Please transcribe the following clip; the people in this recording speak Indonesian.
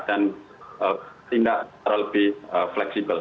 dan tindak terlebih fleksibel